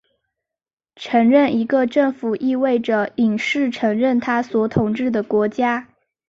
承认一个政府意味着隐式承认它所统治的国家。